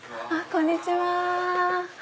こんにちは。